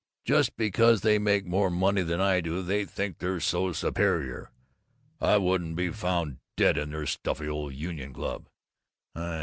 Just because they make more money than I do, they think they're so superior. I wouldn't be found dead in their stuffy old Union Club!